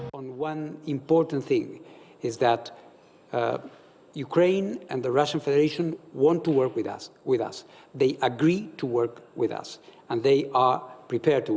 kami berpikir bahwa keamanan tersebut akan menyebabkan keadaan tersebut